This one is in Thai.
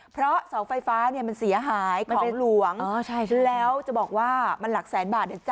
เพราะเสาไฟฟ้ามันเสียหายของหลวงแล้วจะบอกว่ามันหลักแสนบาทนะจ๊ะ